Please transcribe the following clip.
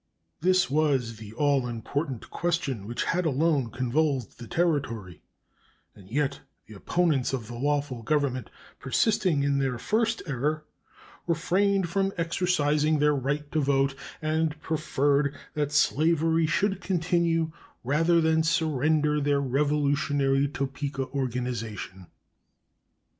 This was the all important question which had alone convulsed the Territory; and yet the opponents of the lawful government, persisting in their first error, refrained from exercising their right to vote, and preferred that slavery should continue rather than surrender their revolutionary Topeka organization.